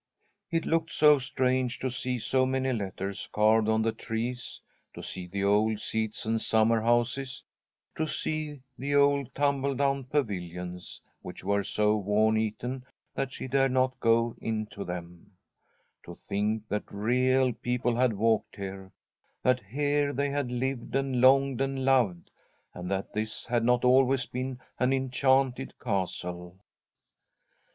It looked so strange to see so many let ters carved on the trees, to see the old seats and summer houses ; to see the old tumble down pa vilions, which were so worm eaten that she dared not go into them ; to think that real people had walked here, that here they had lived, and longed, and loved, and that this had not always been an enchanted castle.